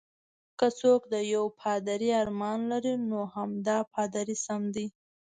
که څوک د یو پادري ارمان لري، نو همدا پادري سم دی.